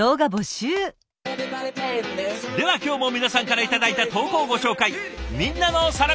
では今日も皆さんから頂いた投稿をご紹介。